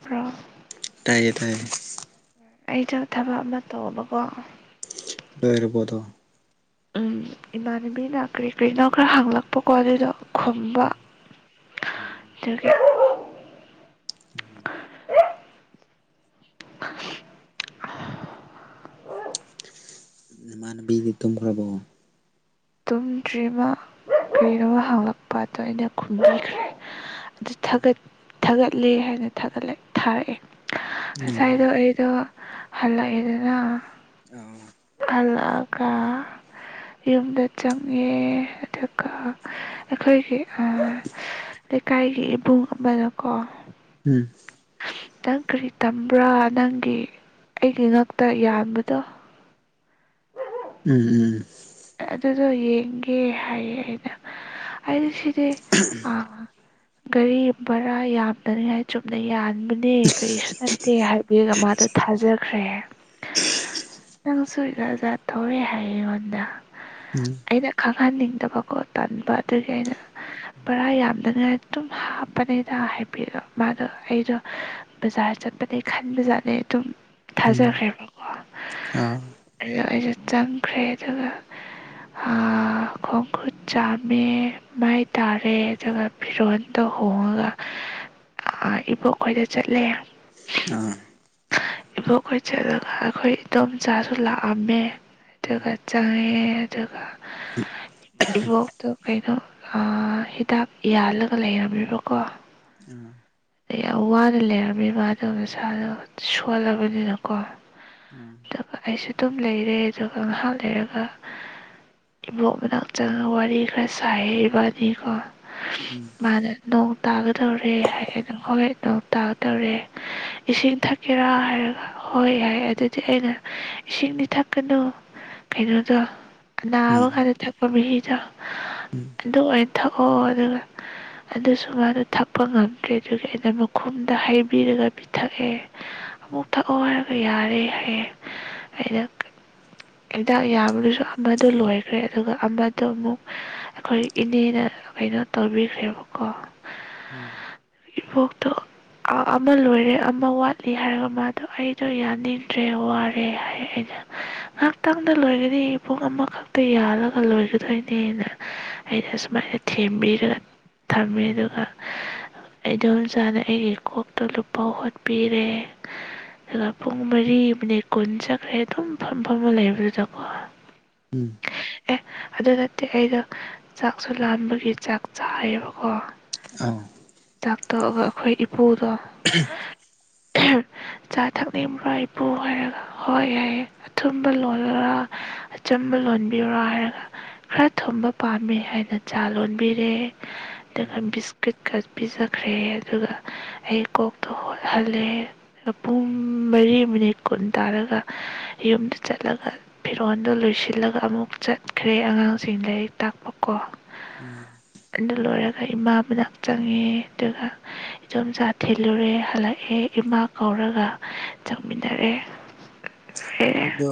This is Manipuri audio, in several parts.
ꯐ꯭ꯔꯣ ꯑꯥꯏꯌꯦ ꯇꯥꯏꯌꯦ ꯑꯩꯗꯣ ꯊꯕꯛ ꯑꯃ ꯇꯧꯕꯀꯣ ꯂꯩꯔꯕꯣꯗꯣ ꯎꯝ ꯏꯃꯥꯟꯅꯕꯤꯅ ꯀꯔ꯭ꯤ ꯀꯔ꯭ꯤꯅꯣ ꯈꯔ ꯍꯪꯂꯛꯄꯀꯣ ꯑꯗꯨꯗꯣ ꯈꯨꯝꯝꯕ ꯑꯗꯨꯗꯒꯤ ꯎꯝ ꯃꯅꯕꯤꯗꯤ ꯇꯨꯝꯈ꯭ꯔꯕꯣ ꯇꯨꯝꯗ꯭ꯔꯤꯃ ꯀꯔꯣ ꯍꯪꯂꯛꯄꯗꯣ ꯑꯩꯅ ꯈꯨꯝꯕꯤꯈ꯭ꯔꯦ ꯑꯗꯨ ꯎꯝ ꯊꯥꯒꯠ ꯊꯥꯒꯠꯂꯦ ꯍꯥꯏꯅ ꯊꯥꯒꯠꯂ ꯊꯥꯔꯛꯑꯦ ꯎꯝ ꯉꯁꯥꯏꯗꯣ ꯑꯩꯗꯣ ꯍꯜꯂ ꯌꯦꯅ ꯑ ꯍꯜꯂꯛꯑꯒ ꯌꯨꯝꯗ ꯆꯪꯉꯦ ꯑꯗꯨꯒ ꯑꯩꯈꯣꯏꯒꯤ ꯂꯩꯀꯥꯏꯒꯤ ꯏꯕꯨꯡ ꯑꯃꯅꯀꯣ ꯎꯝ ꯅꯪ ꯀꯔꯤ ꯇꯝꯕ꯭ꯔꯥ ꯅꯪꯒꯤ ꯑꯩꯒꯤ ꯉꯛꯇ ꯌꯥꯕꯗꯣ ꯎꯝ ꯎꯝ ꯑꯗꯨꯗꯣ ꯌꯦꯡꯒꯦ ꯍꯥꯏꯌꯦ ꯑꯩꯅ ꯑ ꯁꯤꯗ ꯑ ꯒꯥꯔꯤ ꯕꯔꯥ ꯌꯥꯝꯅꯔꯤꯉꯥꯏ ꯆꯨꯝꯅ ꯌꯥ ꯀꯔꯤꯁꯨ ꯅꯠꯇꯦ ꯍꯥꯏꯕ ꯃꯥ ꯊꯥꯖ ꯈ꯭ꯔꯦ ꯑ ꯅꯪꯁꯨꯖꯖꯥꯠ ꯊꯧꯔꯦ ꯍꯥꯏ ꯑꯩꯉꯣꯟꯗ ꯎꯝ ꯎꯝ ꯑꯩꯅ ꯈꯪ ꯈꯪꯍꯟꯅꯤꯡꯗꯕꯀꯣ ꯇꯟꯥꯟꯕ ꯑꯗꯨꯒꯤ ꯑꯩꯅ ꯔꯥ ꯌꯥꯝꯗꯅꯉꯥꯏ ꯑꯗꯨꯝ ꯍꯥꯞꯄꯅꯦꯗ ꯍꯥꯏꯕꯤꯔꯣ ꯃꯥꯗꯣ ꯑꯩꯗꯣ ꯕꯖꯥꯔ ꯆꯠꯄꯅꯦ ꯈꯟꯕ ꯖꯥꯠꯅꯦ ꯑꯗꯨꯝ ꯎꯝ ꯊꯥꯖꯈ꯭ꯔꯦꯕꯀꯣ ꯑꯥ ꯂ ꯑꯩꯁꯨ ꯆꯪꯈ꯭ꯔꯦ ꯑꯗꯨꯒ ꯈꯣꯡ ꯈꯨꯨꯠ ꯆꯥꯝꯃꯦ ꯃꯥꯏ ꯇꯥꯔꯦ ꯑꯗꯨꯒ ꯐꯤꯔꯣꯟꯜꯗ ꯍꯣꯡꯉꯒ ꯏꯕꯣꯛ ꯈꯣꯏꯗ ꯆꯠꯂꯦ ꯑꯥ ꯏꯕꯣꯛꯈꯣꯏ ꯆꯠꯂꯒ ꯑꯩꯈꯣꯏ ꯏꯗꯣꯝꯆꯥꯁꯨ ꯂꯥꯛꯑꯝꯃꯦ ꯎꯝ ꯑꯗꯨꯒ ꯆꯪꯉꯦ ꯑꯦ ꯑꯗꯨꯒ ꯏꯕꯣꯛꯇꯣ ꯀꯩꯅꯣ ꯍꯤꯗꯥꯛ ꯌꯥꯜꯂꯒ ꯂꯩꯔꯝꯃꯦꯕꯀꯣ ꯑꯥ ꯑꯗ ꯌꯥꯝ ꯋꯥꯅ ꯂꯩꯔꯝꯃꯦꯕꯗꯣ ꯃꯁꯥꯗꯣ ꯁꯣꯜꯂꯕꯅꯤꯅꯀꯣ ꯑꯥ ꯑꯗꯨꯒ ꯑꯩꯁꯨ ꯑꯗꯨꯝ ꯂꯩꯔꯦ ꯑꯗꯨꯒ ꯉꯥꯏꯍꯥꯛ ꯂꯩꯔꯒ ꯏꯕꯣꯛ ꯃꯅꯥꯛ ꯆꯪꯒ ꯋꯥꯔꯤ ꯈꯔ ꯁꯥꯏꯕꯥꯅꯤꯀꯣ ꯎꯝ ꯃꯥꯔꯦ ꯅ ꯇꯥꯒꯗꯧꯔꯦ ꯍꯥꯏꯪ ꯍꯣꯏ ꯅꯣꯡ ꯇꯥꯒꯗꯧꯔꯦ ꯏꯁꯤꯡ ꯊꯛꯀꯦꯔꯥ ꯍꯥꯏꯔꯒ ꯍꯣꯏ ꯌꯥꯏ ꯑꯗꯨꯗꯤ ꯑꯩꯅ ꯏꯁꯤꯡꯗꯤ ꯊꯛꯀꯅꯨ ꯀꯣ ꯀꯨꯠꯇ ꯅꯥꯕ ꯎꯝ ꯀꯥꯟꯗ ꯊꯪ ꯃꯤꯗ ꯑꯗꯨ ꯑꯣꯏꯅ ꯊꯛꯑꯣ ꯑꯗꯨꯒ ꯑꯗꯨꯁꯨ ꯃꯥꯗ ꯊꯛꯄ ꯉꯝꯗ꯭ꯔꯦ ꯑꯗꯨꯒꯤ ꯑꯩꯅ ꯃꯈꯨꯝꯗ ꯍꯩꯕꯤꯔꯒ ꯄꯤꯊꯛꯑꯦ ꯑꯃꯨꯛ ꯊꯛꯑꯣ ꯍꯥꯏꯔꯒ ꯌꯥꯔꯦ ꯍꯥꯏꯌꯦꯦ ꯑꯩꯅ ꯍꯤꯗꯥꯛ ꯑꯗꯨꯁꯨ ꯑꯃꯗ ꯂꯣꯏꯈ꯭ꯔꯦ ꯑꯗꯨꯒ ꯑꯃꯗꯣ ꯑꯃꯨꯛ ꯑꯩꯈꯣꯏ ꯏꯅꯦꯅ ꯀꯩꯅꯣ ꯇꯧꯕꯤꯈ꯭ꯔꯦꯕꯀꯣ ꯎꯝ ꯏꯕꯣꯛꯇꯣ ꯑꯃ ꯂꯣꯏꯔꯦ ꯑꯃ ꯋꯥꯠꯂꯤ ꯍꯥꯏꯔꯒ ꯃꯥꯗꯣ ꯑꯩꯗꯣ ꯌꯥꯅꯤꯡꯗ꯭ꯔꯦ ꯋꯥꯔꯦ ꯍꯥꯏ ꯑꯩꯅ ꯉꯥꯏꯍꯥꯛꯇꯪꯗ ꯂꯣꯏ ꯑꯩ ꯄꯨꯡ ꯑꯃꯈꯛꯇ ꯌꯥꯜꯂꯒ ꯂꯣꯏꯒꯗꯣꯏꯅꯦꯅ ꯑꯩꯅ ꯁꯨꯃꯥꯏꯅ ꯊꯦꯝꯕꯤꯔꯒ ꯊꯝꯃꯤ ꯎꯝ ꯑꯗꯨꯒ ꯑꯩꯗꯣꯝ ꯆꯥꯅ ꯑꯩꯒꯤ ꯀꯣꯛꯇꯣ ꯂꯨꯄꯥ ꯍꯣꯠꯄꯤꯔꯦ ꯑꯗꯨꯒ ꯄꯨꯡ ꯃꯔꯤ ꯃꯤꯅꯤꯠ ꯀꯨꯟ ꯆꯠꯈ꯭ꯔꯦ ꯑꯗꯨꯝ ꯐꯝꯐꯝꯃ ꯂꯩꯕꯗꯨꯗꯣ ꯎꯝ ꯑꯗꯨ ꯅꯠꯇꯦ ꯑꯩꯅ ꯆꯥꯛꯁꯨ ꯂꯥꯟꯕꯒꯤ ꯆꯥꯛ ꯆꯥꯏꯌꯦꯕꯀꯣ ꯑ ꯇꯣ ꯑꯣꯈ ꯄꯨꯗꯣ ꯆꯥ ꯊꯛꯅꯤꯡꯕ꯭ꯔꯥ ꯏꯄꯨ ꯍꯥꯏꯔꯒ ꯍꯣꯏ ꯌꯥꯏꯑꯦ ꯑꯊꯨꯝꯕ ꯂꯣꯜꯂꯒ ꯑꯆꯝꯕ ꯂꯣꯟꯕꯤꯔꯣ ꯍꯥꯏꯔꯒ ꯈꯔ ꯊꯨꯝꯕ ꯄꯥꯝꯃꯦ ꯍꯥꯏꯅ ꯆꯥ ꯂꯣꯟꯕꯤꯔꯦ ꯑꯗꯨꯒ ꯎꯝ ꯕꯤꯁꯀꯤꯠꯀ ꯄꯤꯖꯈ꯭ꯔꯦ ꯑꯗꯨꯒ ꯑꯩ ꯀꯣꯛꯇꯣ ꯍꯣꯠꯍꯜꯂꯦ ꯑꯗꯨꯒ ꯄꯨꯡ ꯃꯔꯤ ꯃꯤꯅꯤꯠ ꯀꯨꯟ ꯇꯥꯔꯒ ꯌꯨꯝꯗ ꯆꯠꯂꯒ ꯐꯤꯔꯣꯜꯗꯣ ꯂꯣꯏꯁꯤꯜꯂꯒ ꯑꯃꯨꯛ ꯆꯠꯈ꯭ꯔꯦ ꯑꯉꯥꯡꯁꯤꯡ ꯂꯥꯏꯔꯤꯛ ꯇꯥꯛꯄ ꯀꯣ ꯎꯝ ꯑꯦ ꯂꯔ ꯏꯃꯥ ꯃꯅꯥꯛ ꯆꯪꯉꯦ ꯑꯗꯨꯒ ꯏꯆꯣꯝꯆꯥ ꯊꯤꯜꯂꯨꯔꯦ ꯍꯜꯂꯛꯑꯦ ꯏꯃꯥ ꯀꯧꯔꯒ ꯆꯪꯃꯤꯟꯅꯔꯦ ꯗ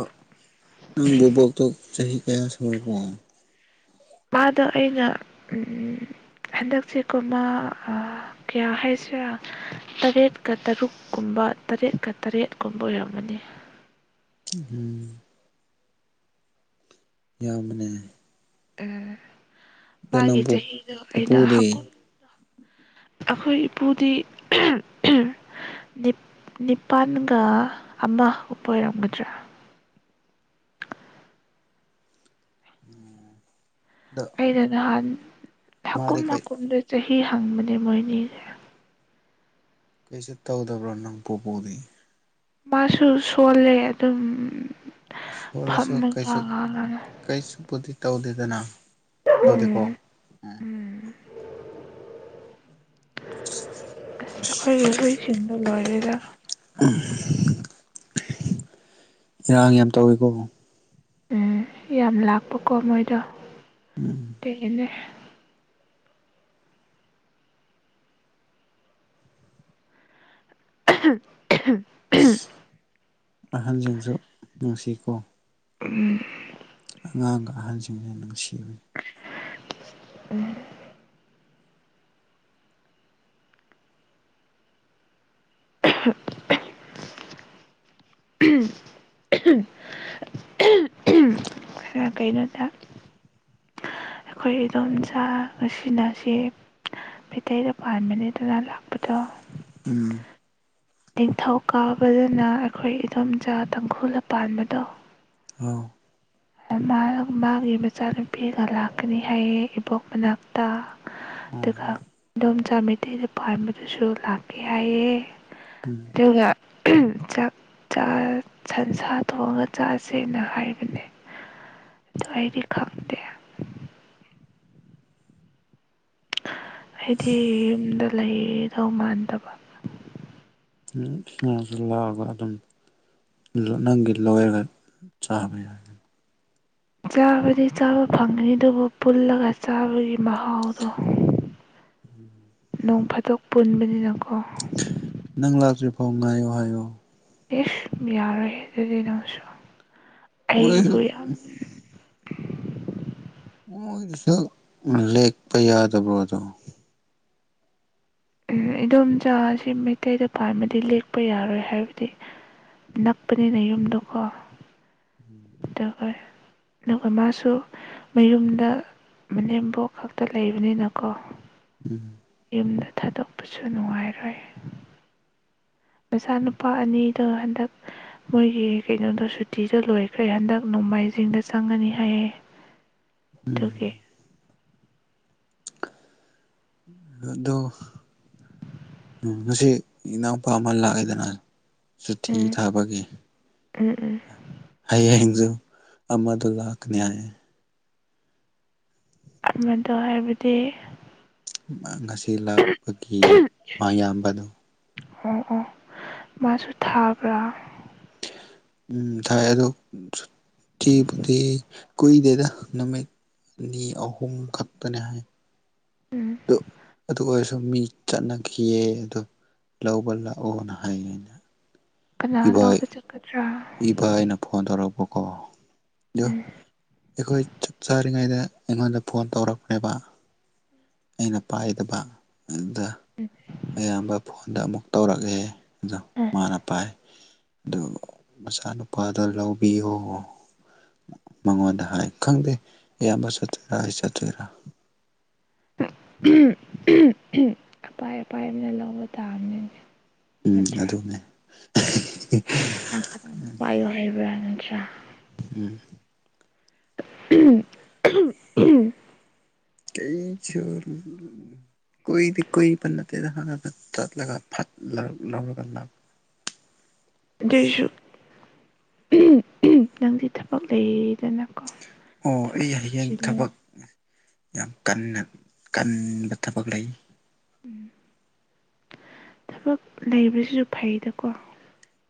ꯅꯪꯕꯨꯕꯣꯛ ꯇ ꯆꯍꯤ ꯆꯦꯌꯥ ꯁꯨꯔꯀꯝ ꯃꯥꯗ ꯑꯩꯅ ꯍꯟꯗꯛꯁꯦꯀꯣꯃ ꯀꯌꯥ ꯍꯥꯏꯁꯤꯔꯥ ꯇꯔꯦꯠꯀ ꯇꯔꯨꯛꯀꯨꯝꯕ ꯇꯔꯦꯠꯀ ꯇꯔꯦꯠꯀꯨꯝꯕ ꯑꯣꯏꯔꯝꯃꯅꯤ ꯎꯝ ꯌꯥꯝꯅꯦ ꯎꯝ ꯃꯥꯒꯤ ꯄꯨ ꯆꯍꯤꯗꯣ ꯑꯩꯅꯀ ꯄꯨꯄꯨꯗꯤ ꯑꯩꯈꯣꯏ ꯏꯄꯨꯗꯤ ꯅꯤꯄꯥꯜꯒ ꯑꯃ ꯎꯞꯄ ꯑꯣꯏꯔꯝꯒꯗ꯭ꯔꯥ ꯎꯝ ꯑꯩꯅ ꯅꯍꯥꯟ ꯍꯀꯨꯝ ꯃꯥꯗꯤ ꯀꯩ ꯃꯀꯨꯝꯗ ꯆꯍꯤ ꯐꯪꯕꯅꯦ ꯃꯣꯏꯅꯤ ꯀꯩꯁꯨ ꯇꯧꯗꯕ꯭ꯔꯣ ꯅꯪ ꯄꯨꯄꯨꯗꯤ ꯃꯥꯁꯨꯁꯨ ꯁꯣꯂꯦ ꯑꯗꯨ ꯑꯗꯨꯝ ꯁꯣꯜꯂꯁꯨ ꯐꯝꯃꯒ ꯀꯩꯁꯨ ꯉꯥꯡꯉꯒ ꯀꯩꯁꯨꯄꯗꯤ ꯇꯧꯗꯦꯗꯅ ꯇꯧꯗꯀꯣ ꯎꯝ ꯁꯤꯗ ꯂꯣꯏꯔꯦꯒ ꯏꯔꯥꯡ ꯌꯥꯝ ꯇꯧꯋꯤꯀꯣ ꯎꯝ ꯌꯥꯝ ꯂꯥꯛꯄꯀꯣ ꯃꯣꯏꯗ ꯐꯅꯦ [unintelligible] ꯑꯍꯟꯁꯤꯡꯁꯨ ꯅꯨꯡꯁꯤꯀꯣ ꯎꯝ ꯑꯉꯥꯡꯒ ꯑꯍꯟꯁꯤꯡꯁꯦ ꯅꯨꯡꯁꯤꯕꯅꯤ ꯎꯝ ꯀꯩꯅꯣꯗ ꯑꯩꯈꯣꯏ ꯏꯗꯣꯝꯆꯥ ꯉꯁꯤꯅꯁꯤ ꯃꯩꯇꯩꯗ ꯄꯥꯟꯕꯅꯦ ꯑꯗꯨꯅ ꯂꯥꯛꯄꯗꯣ ꯎꯝ ꯅꯤꯡꯊꯧ ꯀꯥꯕꯗꯅ ꯑꯩꯈꯣꯏ ꯏꯗꯣꯝꯆꯥ ꯇꯪꯈꯨꯜꯅ ꯄꯥꯟꯕꯗꯣ ꯑ ꯃꯥ ꯃꯥꯒꯤ ꯃꯆꯥꯅꯨꯄꯤꯒ ꯂꯥꯛꯀꯅꯤ ꯍꯥꯏꯑ ꯏꯕꯣꯛ ꯃꯅꯥꯛꯇ ꯑꯥ ꯑꯗꯨꯒ ꯑꯗꯣꯝꯆꯥ ꯃꯩꯇꯩꯗ ꯄꯥꯟꯕꯗꯨꯁꯨ ꯂꯥꯛꯀꯦ ꯍꯥꯏꯑꯦ ꯑꯗꯨꯒ ꯆꯥꯛ ꯁꯟꯁꯥ ꯊꯣꯡꯉꯒ ꯆꯥꯁꯦꯅ ꯍꯥꯏꯔꯤꯕꯅꯦ ꯑꯗ ꯑꯩꯗꯤ ꯈꯪꯗꯦ ꯑꯩꯗꯤ ꯌꯨꯝꯗ ꯂꯩꯗꯧ ꯃꯥꯟꯗꯕ ꯏꯁꯥꯁꯤ ꯂꯥꯛꯑꯒ ꯑꯗꯨꯝ ꯅꯪꯒꯤ ꯂꯣꯏꯔꯒ ꯆꯥꯕ ꯌꯥꯒꯅꯤ ꯆꯥꯕꯗꯤ ꯆꯥꯕ ꯐꯪꯉꯅꯤ ꯑꯗꯨꯕꯨ ꯄꯨꯜꯂꯒ ꯆꯥꯕꯒꯤ ꯃꯍꯥꯎꯗꯣ ꯅꯣꯡ ꯐꯥꯗꯣꯛ ꯄꯨꯟꯕꯅꯤꯅꯀꯣ ꯅꯪ ꯂꯥꯛꯇ꯭ꯔꯤ ꯐꯥꯎ ꯉꯥꯏꯌꯣ ꯍꯥꯏꯌꯣ ꯏꯁꯁ ꯌꯥꯔ ꯍꯦ ꯑꯗꯨꯗꯤꯅꯣꯁꯨꯣ ꯃꯣꯏ ꯑꯩꯩꯒꯤꯕꯨ ꯌꯥꯝ [inaudible] ꯃꯣꯏꯗꯨꯁꯨ ꯂꯦꯛꯄ ꯌꯥꯗꯕ꯭ꯔꯣꯗꯣ ꯏꯗꯣꯝꯆꯥ ꯑꯁꯤ ꯃꯩꯇꯩꯗ ꯄꯥꯟꯕꯗꯤ ꯂꯦꯛꯄ ꯌꯥꯔꯣꯏ ꯍꯥꯏꯕꯗꯤ ꯅꯛꯄꯅꯤꯅ ꯌꯨꯝꯗꯣꯀꯣ ꯎꯝ ꯣꯏ ꯑꯗꯨꯒ ꯃꯥꯁꯨ ꯃꯌꯨꯝꯗ ꯃꯅꯦꯝꯕꯣꯛ ꯈꯛꯇ ꯂꯩꯕꯅꯤꯅꯀꯣ ꯎꯝ ꯌꯨꯝꯗ ꯊꯥꯗꯣꯛꯄꯁꯨ ꯅꯨꯡꯉꯥꯏꯔꯣꯏ ꯃꯆꯥꯅꯨꯄꯥ ꯑꯅꯤꯗꯣ ꯍꯟꯗꯛ ꯃꯣꯏꯒꯤ ꯀꯩꯅꯣꯗꯣ ꯁꯨꯇꯤꯗꯣ ꯂꯣꯏꯈ꯭ꯔꯦ ꯍꯟꯗꯛ ꯅꯣꯡꯃꯥꯏꯖꯤꯡꯗ ꯆꯪꯉꯅꯤ ꯍꯥꯏꯌꯦ ꯇꯀꯦ ꯑꯗꯨꯗꯣ ꯉꯁꯤ ꯏꯅꯥꯎꯄꯥ ꯑꯃ ꯂꯥꯛꯑꯦꯗꯅ ꯁꯨꯇꯤ ꯎꯝ ꯊꯥꯕꯒꯤꯦ ꯎꯝ ꯎꯝ ꯍꯥꯏꯌꯦ ꯑꯃꯗꯨ ꯀ ꯅꯏ ꯑꯃꯗꯣ ꯍꯥꯏꯕꯗꯤ ꯉꯁꯤ ꯁ ꯂꯥꯛꯄꯒꯤ ꯃꯌꯥꯝꯕꯗꯣ ꯑꯣ ꯑꯣ ꯃꯥꯁꯨ ꯊꯥꯕ꯭ꯔꯥ ꯎꯝ ꯊꯥꯏ ꯑꯗꯣ ꯆꯤꯕꯨꯗꯤ ꯀꯨꯏꯗꯦꯗ ꯅꯨꯃꯤꯠꯅꯤ ꯑꯍꯨꯝ ꯈꯛꯇꯅꯦ ꯍꯥꯏ ꯎꯝ ꯑꯗꯨ ꯑꯗꯨ ꯑꯣꯏꯔꯁꯨ ꯃꯤ ꯆꯠꯅꯈꯤꯌꯦ ꯑꯗꯨ ꯂꯧꯕ ꯂꯥꯛꯑꯣꯅ ꯍꯥꯏꯌꯦ ꯑꯩꯅ ꯀꯅꯥ ꯂꯧꯕ ꯆꯠꯀꯗ꯭ꯔꯥ ꯏꯚ ꯑꯩꯅ ꯐꯣꯟ ꯇꯧꯔꯛꯄꯀꯣ ꯑꯗꯣ ꯎꯝ ꯑꯩꯈꯣꯏ ꯆꯞ ꯆꯥꯔꯤꯉꯩꯗ ꯑꯩꯉꯣꯟꯗ ꯐꯣꯟ ꯇꯧꯔꯛꯄꯅꯦꯦꯕ ꯑꯩꯅ ꯄꯥꯏꯗꯕ ꯑꯗ ꯑꯌꯥꯝꯕ ꯐꯣꯟꯗ ꯑꯃꯨꯛ ꯇꯧꯔꯛꯑꯦ ꯑꯗꯣ ꯎꯝ ꯃꯥꯅ ꯄꯥꯏ ꯑꯗꯨ ꯃꯆꯥꯅꯨꯄꯥꯗꯣ ꯂꯧꯕꯤꯌꯣ ꯃꯉꯣꯟꯗ ꯍꯥꯏ ꯈꯪꯗꯦ ꯏꯌꯥꯝꯕ ꯆꯠꯇꯣꯏꯔꯥ ꯑꯩ ꯆꯠꯇꯣꯏꯔꯥ ꯑꯄꯥꯏ ꯑꯄꯥꯏ ꯑꯃꯅ ꯂꯧꯕ ꯇꯥꯕꯅꯤꯅꯦ ꯎꯝ ꯑꯗꯨꯅꯦ ꯄ ꯍꯥꯏꯕ [inaudible] ꯀꯩꯁꯨꯗꯤ ꯀꯗ ꯍ ꯐ ꯇ ꯐ ꯂꯧ ꯩꯁꯨꯨ ꯅꯪꯗꯤ ꯊꯕꯛ ꯂꯩꯗꯅ ꯑꯣ ꯑꯩ ꯍꯌꯦꯡ ꯊꯕꯛ꯫ ꯌꯥꯝ ꯀꯟꯅ ꯀꯟꯕ ꯊꯕꯛ ꯂꯩ꯫ ꯊꯕꯛ ꯂꯩꯕꯖꯤꯖꯨ ꯐꯩꯗꯀꯣ꯫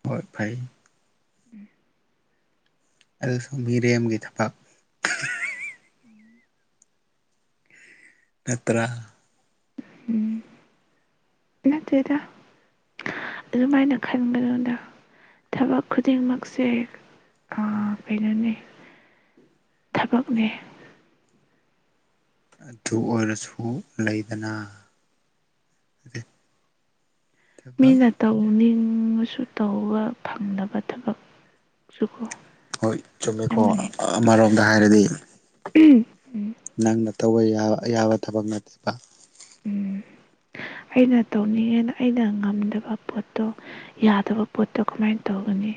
ꯍꯣꯏ ꯐꯩ꯫ ꯎꯝ꯫ ꯑꯗꯨꯁꯨ ꯃꯤꯔꯦꯝꯒꯤ ꯊꯕꯛ꯫ ꯎꯝ꯫ ꯅꯠꯇ꯭ꯔ꯫ ꯎꯝ ꯅꯠꯇꯦꯗ ꯑꯗꯨꯃꯥꯏꯅ ꯈꯟꯕꯗꯨꯅ ꯊꯕꯛ ꯈꯨꯗꯤꯡꯃꯛꯁꯦ꯫ ꯑꯥ ꯄꯩꯅꯅꯦ ꯊꯕꯛꯅꯦ꯫ ꯑꯗꯨ ꯑꯣꯏꯔꯁꯨ ꯂꯩꯗꯅ ꯊꯕꯛ ꯃꯤꯅ ꯇꯧꯅꯤꯡ [unintelligible] ꯁꯨ ꯇꯧꯕ ꯐꯪꯗꯕ ꯊꯕꯛ ꯁꯨ ꯍꯣꯏ ꯆꯨꯝꯃꯤꯀꯣ [unintelligible] ꯗ ꯍꯥꯏꯔꯗꯤ ꯎꯝ꯫ ꯅꯪꯅ ꯇꯧꯕ ꯑꯌꯥꯕ ꯊꯕꯛ ꯅꯠꯇꯦꯕ꯫ ꯎꯝ ꯑꯩꯅ ꯇꯧꯅꯤꯡꯉꯦꯅ ꯑꯩꯅ ꯉꯝꯗꯕ ꯄꯣꯠꯇꯣ ꯌꯥꯗꯕ ꯄꯣꯠꯇꯣ ꯀꯃꯥꯏꯅ ꯇꯧꯒꯅꯤ꯫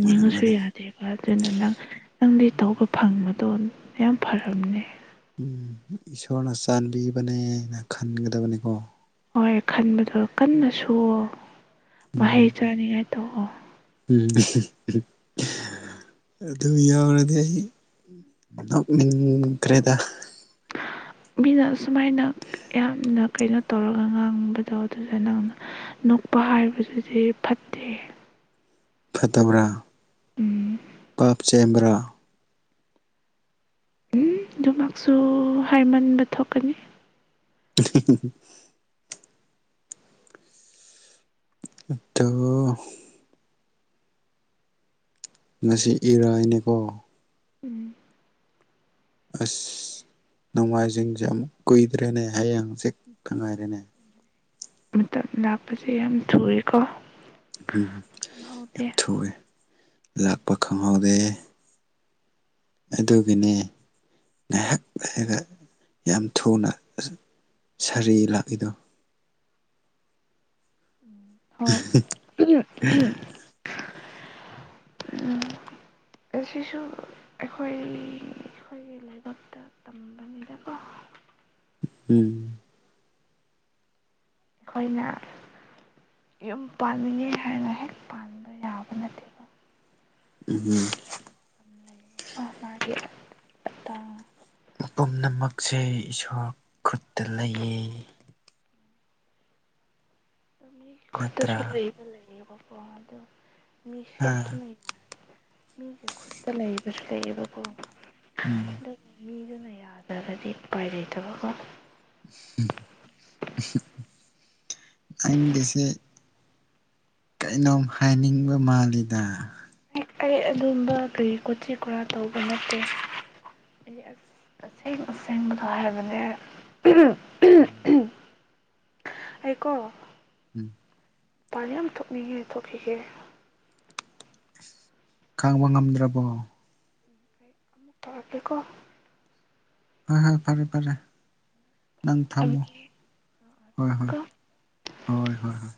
ꯃꯥꯅꯦ ꯃꯥꯅꯦ ꯌꯥꯗꯦꯕ ꯑꯗꯨꯅ ꯅꯪ ꯅꯪꯗꯤ ꯇꯧꯕ ꯐꯪꯕꯗꯣ ꯌꯥꯝ ꯐꯔꯕꯅꯦ꯫ ꯎꯝ ꯏꯁꯣꯔꯅ ꯆꯥꯟꯕꯤꯕꯅꯦ ꯈꯟꯒꯗꯕꯅꯦꯀꯣ꯫ ꯍꯣꯏ ꯈꯟꯕꯗꯣ ꯀꯟꯅ ꯁꯨꯑꯣ꯫ ꯃꯍꯩ ꯎꯝ ꯆꯥꯅꯤꯉꯥꯏ꯫ ꯇꯣꯛꯑꯣ ꯎꯝ ꯑꯗꯨ ꯌꯥꯎꯔꯗꯤ ꯑꯩ ꯅꯣꯛꯅꯤꯡꯈ꯭ꯔꯦꯗ꯫ ꯃꯤꯅ ꯁꯨꯃꯥꯏꯅ ꯌꯥꯝꯅ ꯀꯩꯅꯣ ꯇꯧꯔꯒ ꯉꯥꯡꯕꯗꯣ ꯑꯗꯨꯗꯨ ꯅꯪꯅ ꯅꯣꯛꯄ ꯍꯥꯏꯕꯁꯤꯗꯤ ꯐꯠꯇꯦ꯫ ꯐꯠꯇꯕ꯭ꯔꯥ ꯎꯝ ꯄꯥꯞ ꯆꯦꯟꯕ꯭ꯔꯥ꯫ ꯎꯝ ꯑꯗꯨꯃꯛꯁꯨ ꯍꯥꯏꯃꯟꯕ ꯊꯣꯛꯀꯅꯤ꯫ [unintelligible] ꯑꯠꯗꯣ ꯉꯁꯤ ꯏꯔꯥꯏꯅꯤꯀꯣ꯫ ꯎꯝ ꯑꯁ ꯅꯣꯡꯃꯥꯏꯖꯤꯡꯁꯦ ꯑꯃꯨꯛ ꯀꯨꯏꯗ꯭ꯔꯦꯅꯦ ꯍꯌꯦꯡ ꯍꯪꯆꯤꯠ ꯈꯛ ꯉꯥꯏꯔꯦꯅꯦ꯫ ꯃꯇꯝ ꯂꯥꯛꯄꯖꯦ ꯌꯥꯝ ꯊꯨꯏꯀꯣ꯫ ꯎꯝ ꯌꯥꯝ ꯊꯨꯔꯦ ꯂꯥꯛꯄ ꯈꯪꯍꯧ ꯍꯧꯗꯦ ꯑꯗꯨꯒꯤꯅꯦ ꯉꯥꯏꯍꯥꯛ ꯂꯩꯔꯒ ꯌꯥꯝ ꯊꯨꯅ ꯁ ꯁꯥꯔꯤ ꯂꯥꯛꯏꯗꯣ꯫ ꯍꯣꯏ [unintelligible] ꯎꯝ ꯑꯁꯤꯁꯨ ꯑꯩꯈꯣꯏ ꯑꯩꯈꯣꯏꯒꯤ ꯂꯥꯏꯕꯛꯇ ꯇꯝꯕꯅꯤꯗꯀꯣ꯫ ꯎꯝ꯫ ꯑꯩꯈꯣꯏꯅ ꯌꯨꯝ ꯄꯥꯟꯅꯤꯡꯉꯦ ꯍꯥꯏꯅ ꯍꯦꯛ ꯄꯥꯟꯕ ꯌꯥꯕ ꯅꯠꯇꯦꯕ꯫ ꯎꯝ꯫ [unintelligible] ꯄꯨꯝꯅꯃꯛꯁꯦ ꯏꯁꯣꯔ ꯈꯨꯠꯇ ꯂꯩꯌꯦ ꯃꯤ ꯈꯨꯠꯇꯁꯨ ꯅꯠꯇ꯭ꯔꯥ ꯂꯩꯕ ꯂꯩꯌꯦꯕ ꯋꯥꯥꯗ ꯃꯤ ꯍꯥ ꯁꯇ ꯃ ꯃꯤꯁꯦ ꯈꯨꯠꯇ ꯂꯩꯕꯁꯨ ꯂꯩꯌꯦꯕꯀꯣ ꯎꯝ ꯑꯗꯨꯕꯨ ꯃꯤꯗꯨꯅ ꯌꯥꯗ꯭ꯔꯒꯗꯤ ꯎꯄꯥꯏ ꯂꯩꯇꯕꯀꯣ ꯏꯪꯂꯤꯁꯦ ꯀꯩꯅꯣꯝ ꯍꯥꯏꯅꯤꯡꯕ ꯃꯥꯜꯂꯤꯗ ꯑꯩ ꯑꯗꯨꯝꯕ ꯀꯔꯤ ꯀꯣꯆꯤ ꯀꯔꯥ ꯇꯧꯕ ꯅꯠꯇꯦ ꯑꯩ ꯑꯁꯦꯡ ꯑꯁꯦꯡꯕꯗꯣ ꯍꯥꯏꯔꯕꯅꯦ ꯑꯩꯀꯣ ꯎꯝ ꯅꯨꯄꯥꯥꯟ ꯌꯥꯝ ꯊꯣꯛꯅꯤꯡꯉꯦ ꯊꯣꯛꯈꯤꯒꯦ ꯈꯪꯕ ꯉꯝꯗ꯭ꯔꯕꯣ ꯇꯄꯦꯀꯣ ꯍꯣꯏ ꯍꯣꯏ ꯐꯔꯦ ꯐꯔꯦ ꯅꯪ ꯊꯝꯃꯣ ꯊꯝꯒꯦ ꯑꯥ ꯑꯥ ꯍꯣꯏ ꯍꯣꯏ ꯊꯝꯃꯦꯀꯣ ꯍꯣꯏ ꯍꯣꯏ ꯍꯣꯏ